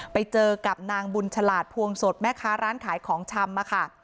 ไปเจอกับนางบุญฉลาดพวงสดแม่ค้าร้านขายของชำอะค่ะ